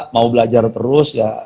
mau belajar terus ya